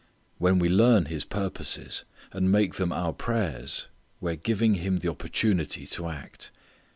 When we learn His purposes and make them our prayers we are giving Him the opportunity to act.